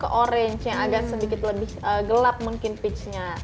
menuju ke orangnya agak sedikit lebih gelap mungkin peachnya